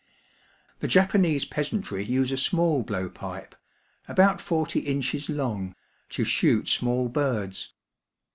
The Japanese peasantry use a small blow pipe, about forty inches long, to shoot small birds.